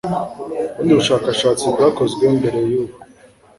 Ubundi bushakashatsi bwakozwe mbere y'ubu,